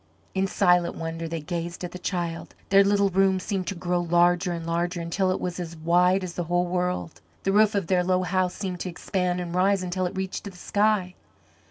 In silent wonder they gazed at the child. Their little room seemed to grow larger and larger, until it was as wide as the whole world, the roof of their low house seemed to expand and rise, until it reached to the sky.